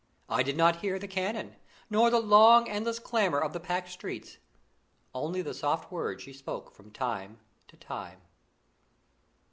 I did not hear the cannon, nor the long, endless clamour of the packed streets, only the soft words she spoke from time to time.